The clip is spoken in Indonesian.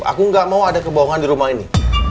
aku nggak mau ada kebohongan di rumah ini